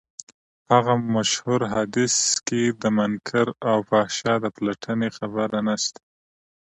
هغه مشهور حديث کې د منکر او فحشا د پلټنې خبره نشته.